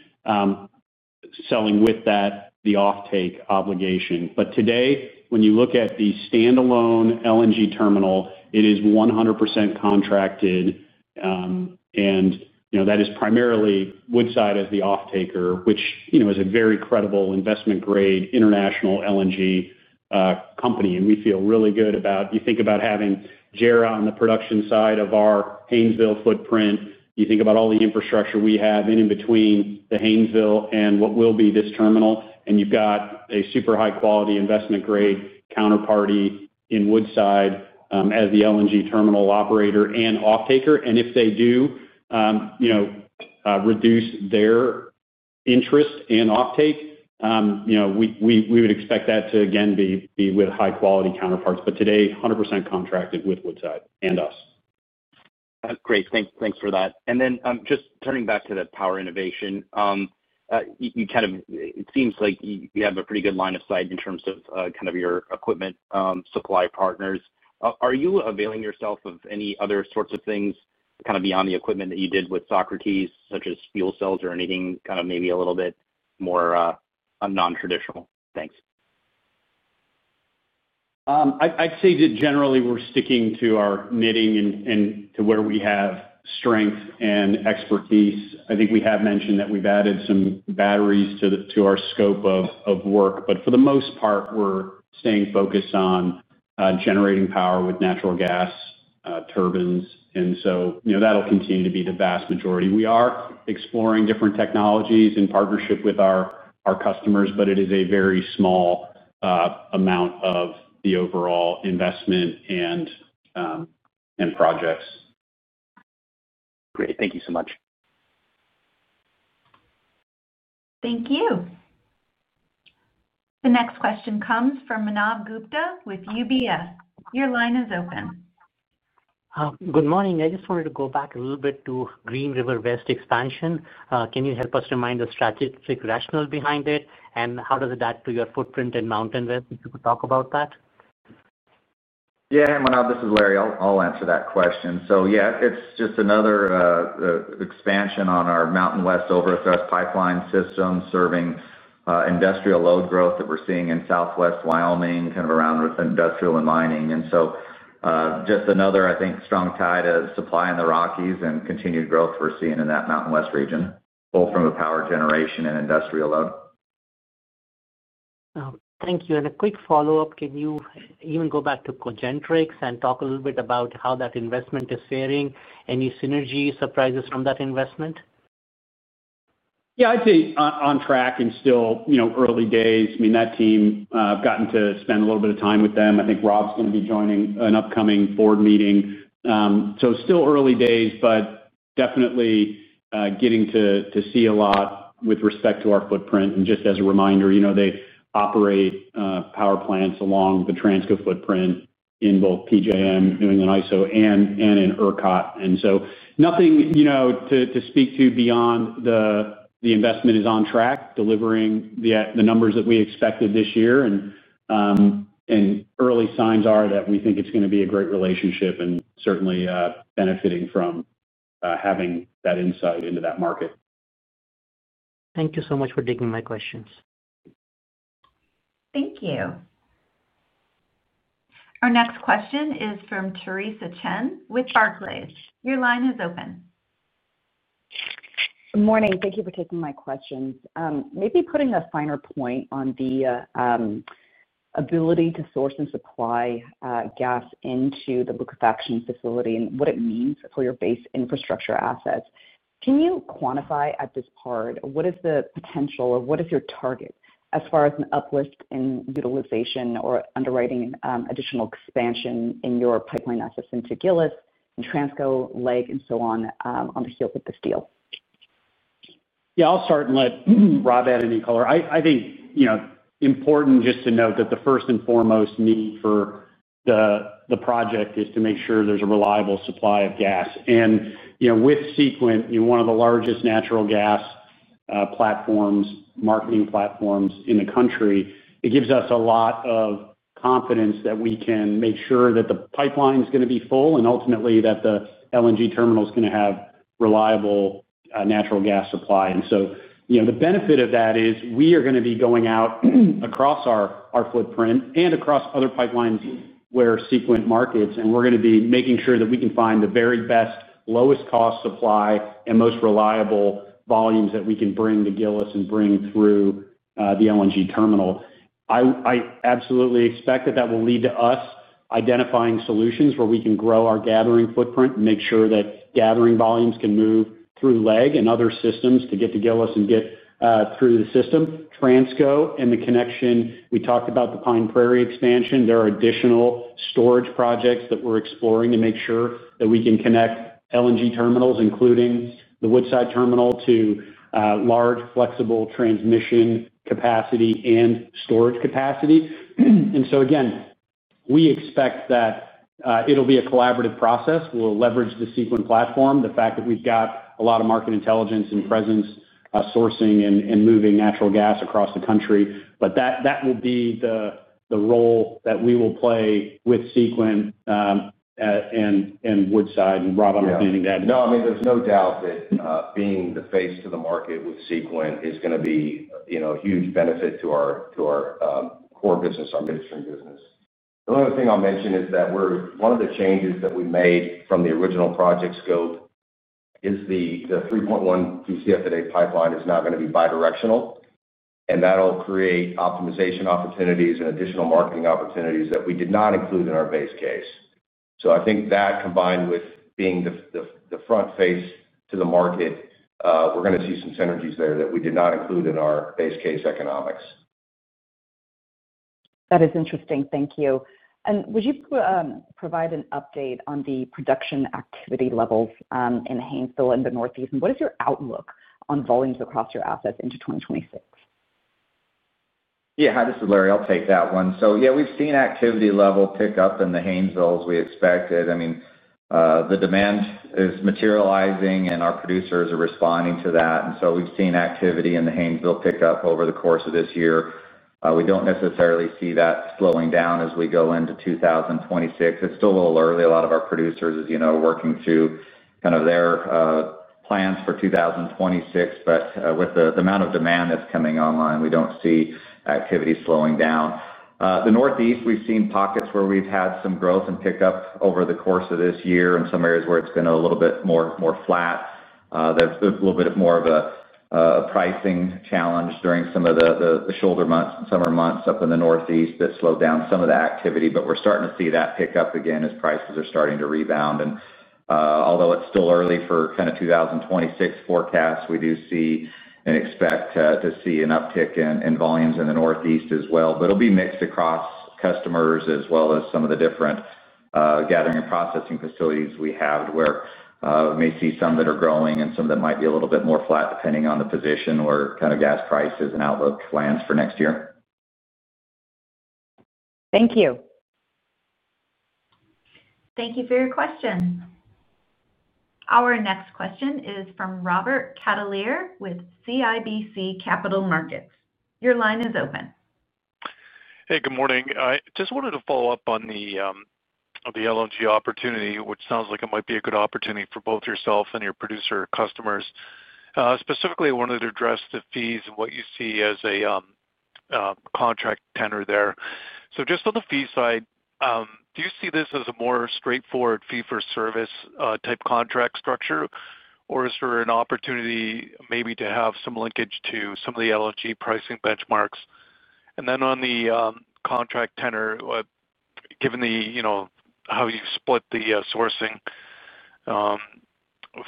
selling with that the offtake obligation. But today, when you look at the standalone LNG terminal, it is 100% contracted. And that is primarily Woodside as the offtaker, which is a very credible investment-grade international LNG company. And we feel really good about you think about having JERA on the production side of our Haynesville footprint. You think about all the infrastructure we have in between the Haynesville and what will be this terminal. And you've got a super high-quality investment-grade counterparty in Woodside as the LNG terminal operator and offtaker. And if they do reduce their interest in offtake, we would expect that to, again, be with high-quality counterparts. But today, 100% contracted with Woodside and us. That's great. Thanks for that. And then just turning back to the power innovation. It seems like you have a pretty good line of sight in terms of kind of your equipment supply partners. Are you availing yourself of any other sorts of things kind of beyond the equipment that you did with Socrates, such as fuel cells or anything kind of maybe a little bit more non-traditional? Thanks. I'd say that generally, we're sticking to our knitting and to where we have strength and expertise. I think we have mentioned that we've added some batteries to our scope of work. But for the most part, we're staying focused on generating power with natural gas turbines. And so that'll continue to be the vast majority. We are exploring different technologies in partnership with our customers, but it is a very small amount of the overall investment and projects. Great. Thank you so much. Thank you. The next question comes from Manav Gupta with UBS. Your line is open. Good morning. I just wanted to go back a little bit to Green River West expansion. Can you help us remind the strategic rationale behind it, and how does it add to your footprint in MountainWest? If you could talk about that. Yeah. Manav, this is Larry. I'll answer that question. So yeah, it's just another expansion on our MountainWest overthrust pipeline system serving industrial load growth that we're seeing in Southwest Wyoming, kind of around with industrial and mining. And so just another, I think, strong tie to supply in the Rockies and continued growth we're seeing in that MountainWest region, both from the power generation and industrial load. Thank you. And a quick follow-up. Can you even go back to Cogentrix and talk a little bit about how that investment is faring? Any synergy surprises from that investment? Yeah. I'd say on track and still early days. I mean, that team, I've gotten to spend a little bit of time with them. I think Rob's going to be joining an upcoming board meeting. So still early days, but definitely getting to see a lot with respect to our footprint. And just as a reminder, they operate power plants along the Transco footprint in both PJM, New England ISO, and in ERCOT. And so nothing to speak to beyond the investment is on track, delivering the numbers that we expected this year. And early signs are that we think it's going to be a great relationship and certainly benefiting from having that insight into that market. Thank you so much for taking my questions. Thank you. Our next question is from Theresa Chen with Barclays. Your line is open. Good morning. Thank you for taking my questions. Maybe putting a finer point on the ability to source and supply gas into the liquefaction facility and what it means for your base infrastructure assets. Can you quantify at this point, what is the potential, or what is your target as far as an uplift in utilization or underwriting additional expansion in your pipeline assets into Gillis and Transco, LEG and so on on the heels of the sale? Yeah. I'll start and let Rob add any color. I think important just to note that the first and foremost need for the project is to make sure there's a reliable supply of gas. And with Sequent, one of the largest natural gas platforms, marketing platforms in the country, it gives us a lot of confidence that we can make sure that the pipeline is going to be full and ultimately that the LNG terminal is going to have reliable natural gas supply. And so the benefit of that is we are going to be going out across our footprint and across other pipelines where Sequent markets, and we're going to be making sure that we can find the very best, lowest cost supply and most reliable volumes that we can bring to Gillis and bring through the LNG terminal. I absolutely expect that that will lead to us identifying solutions where we can grow our gathering footprint and make sure that gathering volumes can move through LEG and other systems to get to Gillis and get through the system. Transco and the connection, we talked about the Pine Prairie expansion. There are additional storage projects that we're exploring to make sure that we can connect LNG terminals, including the Woodside terminal, to large, flexible transmission capacity and storage capacity. And so again, we expect that it'll be a collaborative process. We'll leverage the Sequent platform, the fact that we've got a lot of market intelligence and presence sourcing and moving natural gas across the country. But that will be the role that we will play with Sequent and Woodside. And Rob, I'm expanding that. No, I mean, there's no doubt that being the face to the market with Sequent is going to be a huge benefit to our core business, our industry business. The only other thing I'll mention is that one of the changes that we made from the original project scope is the 3.1 Bcfpd pipeline is now going to be bidirectional. And that'll create optimization opportunities and additional marketing opportunities that we did not include in our base case. So I think that combined with being the front face to the market, we're going to see some synergies there that we did not include in our base case economics. That is interesting. Thank you. And would you provide an update on the production activity levels in Haynesville and the Northeast? And what is your outlook on volumes across your assets into 2026? Yeah. Hi, this is Larry. I'll take that one. So yeah, we've seen activity level pick up in the Haynesville as we expected. I mean, the demand is materializing, and our producers are responding to that. And so we've seen activity in the Haynesville pick up over the course of this year. We don't necessarily see that slowing down as we go into 2026. It's still a little early. A lot of our producers, as you know, are working through kind of their plans for 2026. But with the amount of demand that's coming online, we don't see activity slowing down. The Northeast, we've seen pockets where we've had some growth and pickup over the course of this year in some areas where it's been a little bit more flat. There's a little bit more of a pricing challenge during some of the shoulder months, summer months up in the Northeast that slowed down some of the activity. But we're starting to see that pick up again as prices are starting to rebound. And although it's still early for kind of 2026 forecasts, we do see and expect to see an uptick in volumes in the Northeast as well. But it'll be mixed across customers as well as some of the different gathering and processing facilities we have, where we may see some that are growing and some that might be a little bit more flat depending on the position or kind of gas prices and outlook lands for next year. Thank you. Thank you for your questions. Our next question is from Robert Catellier with CIBC Capital Markets. Your line is open. Hey, good morning. I just wanted to follow up on the LNG opportunity, which sounds like it might be a good opportunity for both yourself and your producer customers. Specifically, I wanted to address the fees and what you see as a contract tenor there. So just on the fee side, do you see this as a more straightforward fee-for-service type contract structure, or is there an opportunity maybe to have some linkage to some of the LNG pricing benchmarks? And then on the contract tenor. Given how you split the sourcing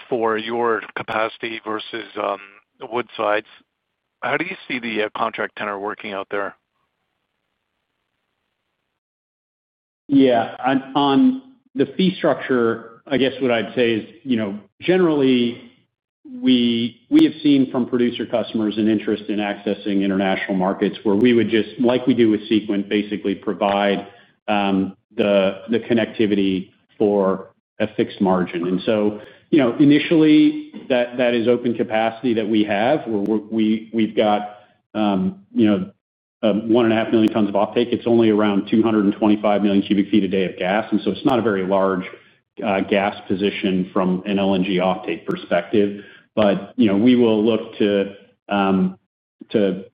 for your capacity versus Woodside's, how do you see the contract tenor working out there? Yeah. On the fee structure, I guess what I'd say is generally, we have seen from producer customers an interest in accessing international markets where we would just, like we do with Sequent, basically provide the connectivity for a fixed margin. And so initially, that is open capacity that we have. We've got 1.5 million tons of offtake. It's only around 225 million cu ft a day of gas. And so it's not a very large gas position from an LNG offtake perspective. But we will look to monetize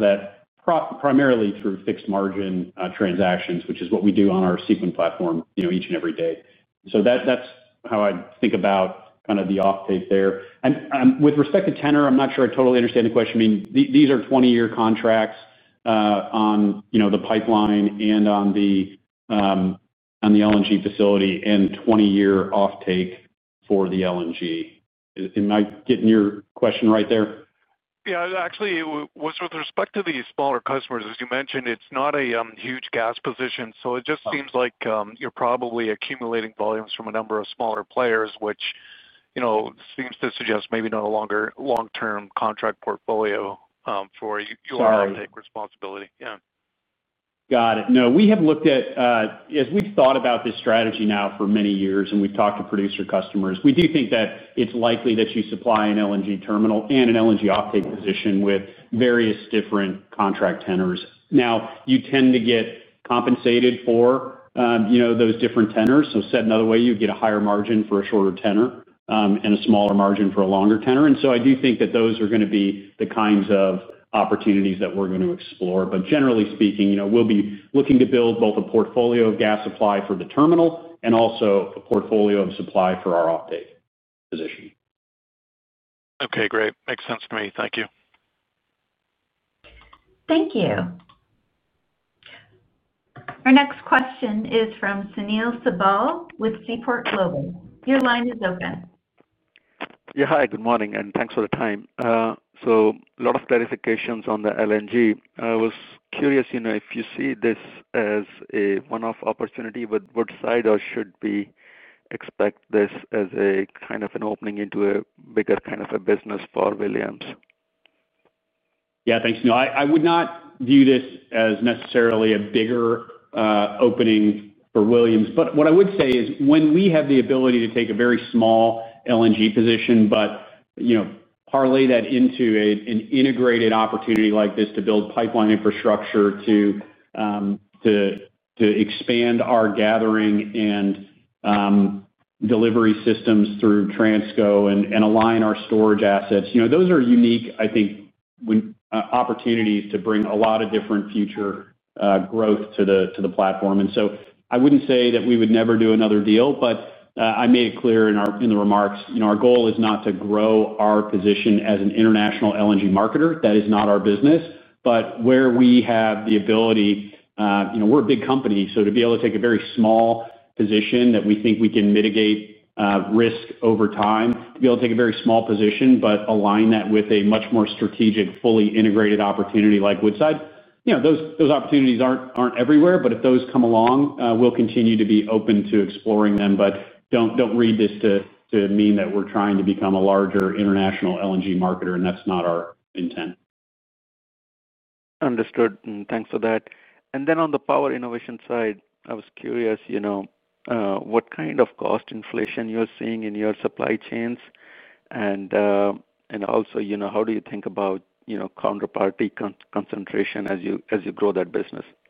that primarily through fixed margin transactions, which is what we do on our Sequent platform each and every day. So that's how I think about kind of the offtake there. And with respect to tenor, I'm not sure I totally understand the question. I mean, these are 20-year contracts on the pipeline and on the LNG facility and 20-year offtake for the LNG. Am I getting your question right there? Yeah. Actually, with respect to the smaller customers, as you mentioned, it's not a huge gas position. So it just seems like you're probably accumulating volumes from a number of smaller players, which seems to suggest maybe no longer long-term contract portfolio for your offtake responsibility. Yeah. Got it. No, we have looked at, as we've thought about this strategy now for many years, and we've talked to producer customers, we do think that it's likely that you supply an LNG terminal and an LNG offtake position with various different contract tenors. Now, you tend to get compensated for those different tenors. So said another way, you get a higher margin for a shorter tenor and a smaller margin for a longer tenor. And so I do think that those are going to be the kinds of opportunities that we're going to explore. But generally speaking, we'll be looking to build both a portfolio of gas supply for the terminal and also a portfolio of supply for our offtake position. Okay. Great. Makes sense to me. Thank you. Thank you. Our next question is from Sunil Sibal with Seaport Global. Your line is open. Yeah. Hi. Good morning. And thanks for the time. So a lot of clarifications on the LNG. I was curious if you see this as a one-off opportunity with Woodside or should we expect this as kind of an opening into a bigger kind of a business for Williams? Yeah. Thanks. No, I would not view this as necessarily a bigger opening for Williams. But what I would say is when we have the ability to take a very small LNG position, but parlay that into an integrated opportunity like this to build pipeline infrastructure to expand our gathering and delivery systems through Transco and align our storage assets, those are unique, I think, opportunities to bring a lot of different future growth to the platform. And so I wouldn't say that we would never do another deal. But I made it clear in the remarks, our goal is not to grow our position as an international LNG marketer. That is not our business. But where we have the ability, we're a big company, so to be able to take a very small position that we think we can mitigate risk over time, to be able to take a very small position, but align that with a much more strategic, fully integrated opportunity like Woodside, those opportunities aren't everywhere. But if those come along, we'll continue to be open to exploring them. But don't read this to mean that we're trying to become a larger international LNG marketer, and that's not our intent. Understood. And thanks for that. And then on the power innovation side, I was curious. What kind of cost inflation you're seeing in your supply chains? And also how do you think about counterparty concentration as you grow that business? Yeah.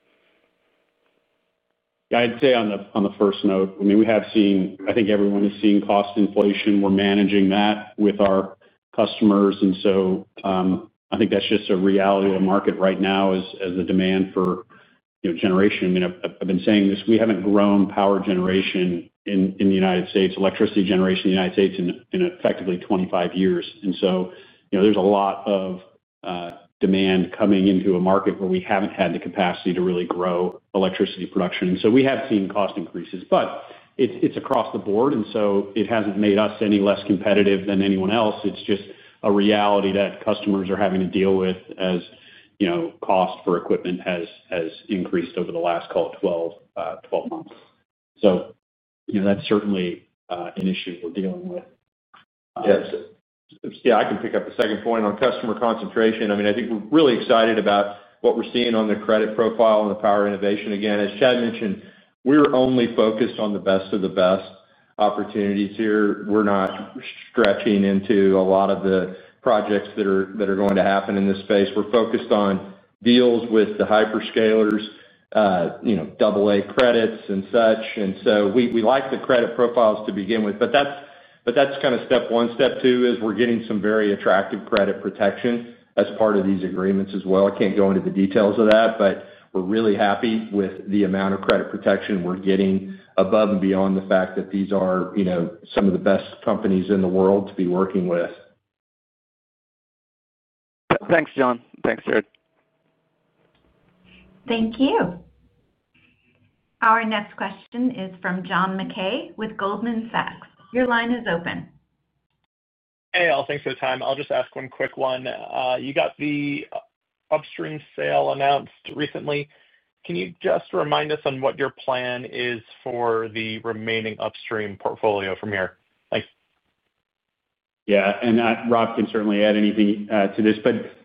I'd say on the first note, I mean, we have seen, I think everyone is seeing cost inflation. We're managing that with our customers. And so I think that's just a reality of the market right now as the demand for generation. I mean, I've been saying this, we haven't grown power generation in the United States, electricity generation in the United States in effectively 25 years. And so there's a lot of demand coming into a market where we haven't had the capacity to really grow electricity production. And so we have seen cost increases, but it's across the board. And so it hasn't made us any less competitive than anyone else. It's just a reality that customers are having to deal with as cost for equipment has increased over the last, call it, 12 months. So that's certainly an issue we're dealing with. Yeah. I can pick up the second point on customer concentration. I mean, I think we're really excited about what we're seeing on the credit profile and the power innovation. Again, as Chad mentioned, we're only focused on the best of the best opportunities here. We're not stretching into a lot of the projects that are going to happen in this space. We're focused on deals with the hyperscalers. AA credits and such. And so we like the credit profiles to begin with. But that's kind of step one. Step two is we're getting some very attractive credit protection as part of these agreements as well. I can't go into the details of that, but we're really happy with the amount of credit protection we're getting above and beyond the fact that these are some of the best companies in the world to be working with. Thanks, John. Thanks, Jared. Thank you. Our next question is from John Mackay with Goldman Sachs. Your line is open. Hey, all. Thanks for the time. I'll just ask one quick one. You got the upstream sale announced recently. Can you just remind us on what your plan is for the remaining upstream portfolio from here? Thanks. Yeah, and Rob can certainly add anything to this, but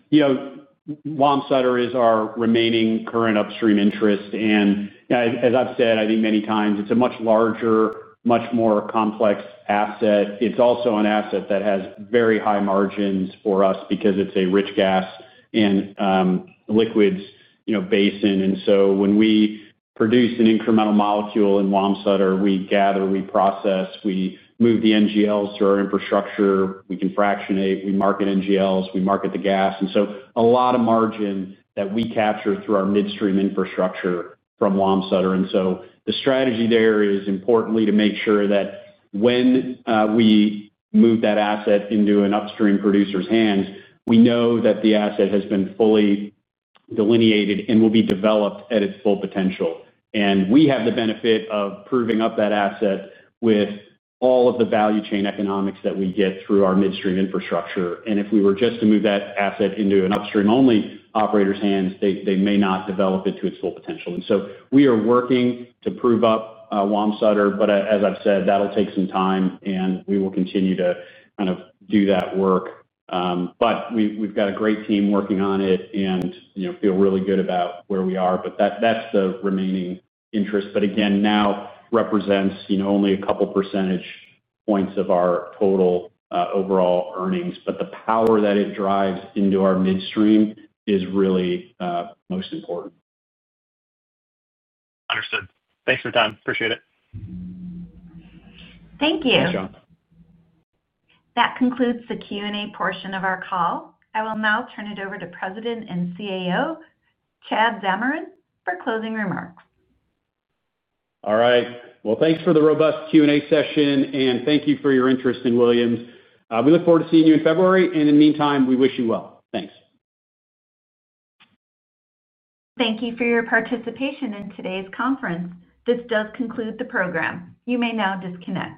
Wamsutter is our remaining current upstream interest. And as I've said, I think many times it's a much larger, much more complex asset. It's also an asset that has very high margins for us because it's a rich gas and liquids basin. And so when we produce an incremental molecule in Wamsutter, we gather, we process, we move the NGLs to our infrastructure, we can fractionate, we market NGLs, we market the gas. And so a lot of margin that we capture through our midstream infrastructure from Wamsutter. And so the strategy there is importantly to make sure that when we move that asset into an upstream producer's hands, we know that the asset has been fully delineated and will be developed at its full potential. And we have the benefit of proving up that asset with all of the value chain economics that we get through our midstream infrastructure. And if we were just to move that asset into an upstream-only operator's hands, they may not develop it to its full potential. And so we are working to prove up Wamsutter. But as I've said, that'll take some time, and we will continue to kind of do that work. But we've got a great team working on it and feel really good about where we are. But that's the remaining interest. But again, now represents only a couple percentage points of our total overall earnings. But the power that it drives into our midstream is really most important. Understood. Thanks for the time. Appreciate it. Thank you. Thanks, John. That concludes the Q&A portion of our call. I will now turn it over to President and CEO Chad Zamarin for closing remarks. All right. Well, thanks for the robust Q&A session, and thank you for your interest in Williams. We look forward to seeing you in February. And in the meantime, we wish you well. Thanks. Thank you for your participation in today's conference. This does conclude the program. You may now disconnect.